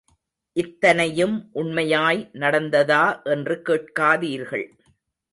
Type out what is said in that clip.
இத்தனையும் உண்மையாய் நடந்ததா என்று கேட்காதீர்கள்.